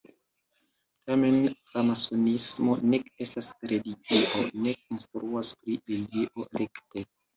Tamen, framasonismo nek estas religio, nek instruas pri religio rekte.